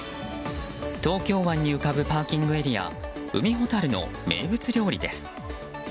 東京湾に浮かぶパーキングエリア海ほたるの名物料理です。